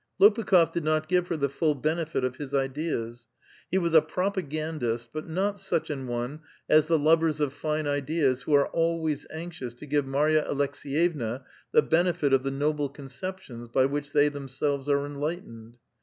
Lopukh6f did not give her the full benefit of his ideas. He was a propagandist, but not such an one as the lovers of line ideas who are always anxious to give Marya Alekseyevnas the benefit of the noble conceptions by which they themselves are enlightened.